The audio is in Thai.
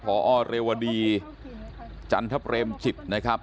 พศเรวดีจันทเปรมขิทรพอความสดใจ